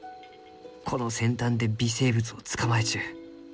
この先端で微生物を捕まえちゅう。